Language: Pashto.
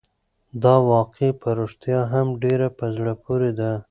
دا واقعه په رښتیا هم ډېره په زړه پورې ده.